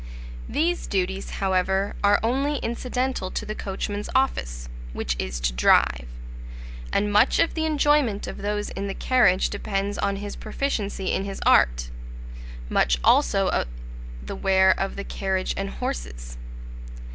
These duties, however, are only incidental to the coachman's office, which is to drive; and much of the enjoyment of those in the carriage depends on his proficiency in his art, much also of the wear of the carriage and horses.